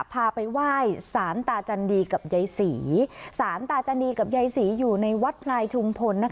พาไปไหว้สารตาจันดีกับยายศรีสารตาจนีกับยายศรีอยู่ในวัดพลายชุมพล